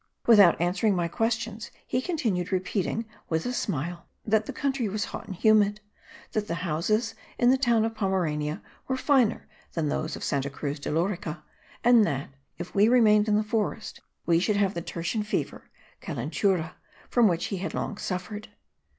Without answering my questions he continued repeating, with a smile, that the country was hot and humid; that the houses in the town of Pomerania were finer than those of Santa Cruz de Lorica; and that, if we remained in the forest, we should have the tertian fever (calentura) from which he had long suffered.